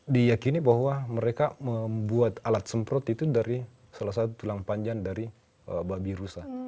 diyakini bahwa mereka membuat alat semprot itu dari salah satu tulang panjang dari babi rusa